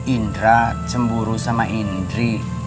indra cemburu sama indri